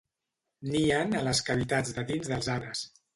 Nien a les cavitats de dins dels arbres.